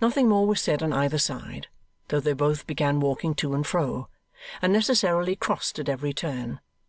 Nothing more was said on either side, though they both began walking to and fro, and necessarily crossed at every turn.